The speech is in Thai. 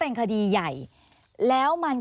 อันดับสุดท้าย